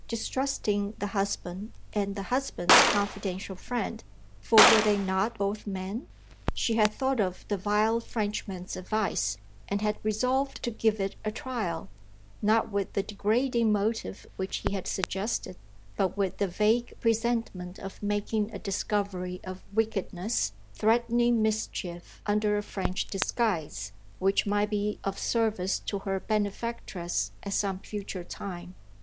Distrusting the husband, and the husband's confidential friend for were they not both men? she had thought of the vile Frenchman's advice, and had resolved to give it a trial; not with the degrading motive which he had suggested, but with the vague presentiment of making a discovery of wickedness, threatening mischief under a French disguise, which might be of service to her benefactress at some future time.